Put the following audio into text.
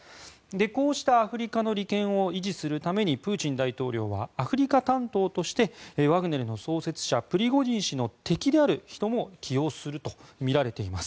こうしたアフリカの利権を維持するためにプーチン大統領はアフリカ担当としてワグネルの創設者プリゴジン氏の敵である人も起用するとみられています。